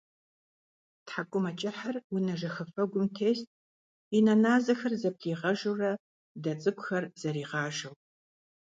ТхьэкӀумэкӀыхьыр унэ жэхэфэгум тест, и нэ назэхэр зэблигъэжурэ дэ цӀыкӀухэр зэригъажэу.